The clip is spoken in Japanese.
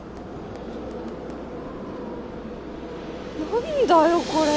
何だよこれ！